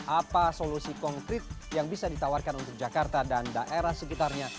apa solusi konkret yang bisa ditawarkan untuk jakarta dan daerah sekitarnya